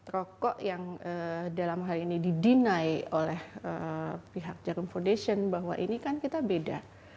rokok yang dalam hal ini didenai oleh pihak jarum foundation bahwa ini kan kita beda